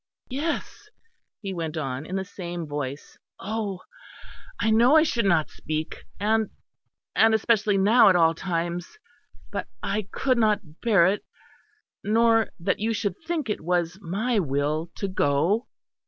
"Yes," he went on in the same voice. "Oh! I know I should not speak; and and especially now at all times; but I could not bear it; nor that you should think it was my will to go."